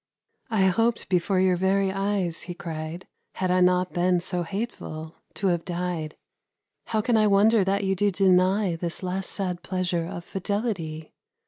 "I hoped before your very eyes," he cried, "Had I not been so hateful, to have died. How can I wonder that you do deny This last sad pleasure of fidelity?